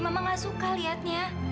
mama gak suka liatnya